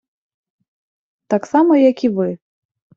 Так само як і Ви.